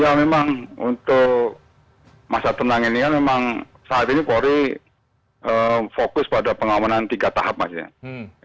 ya memang untuk masa tenang ini memang saat ini dprri fokus pada pengawanan tiga tahap maksudnya